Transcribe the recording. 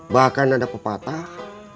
bahkan ada pepatah